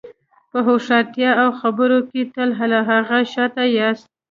په هوښیارتیا او خبرو کې تل له هغه شاته یاست.